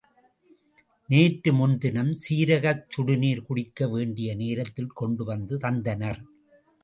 நேற்று முன்தினம், சீரகச் சுடுநீர் குடிக்க வேண்டிய நேரத்தில் கொண்டு வந்து தந்தனர்.